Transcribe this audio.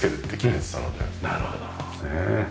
なるほどね。